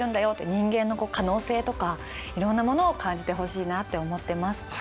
人間の可能性とかいろんなものを感じてほしいなって思ってます。